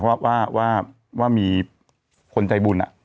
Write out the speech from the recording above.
ว่าว่าว่าว่ามีคนใจบุญอ่ะ